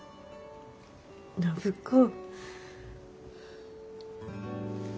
暢子。